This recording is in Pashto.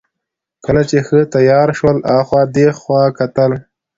کله چې ښه تېاره شول، اخوا دېخوا کتل.